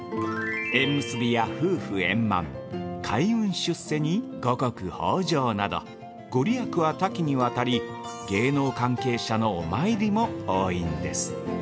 縁結びや夫婦円満開運出世に五穀豊穣などご利益は多岐にわたり、芸能関係者のお参りも多いんです。